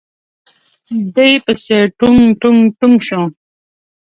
دې پسې ټونګ ټونګ ټونګ شو.